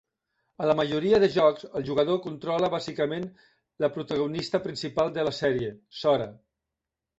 A la majoria de jocs el jugador controla bàsicament la protagonista principal de la sèrie, Sora.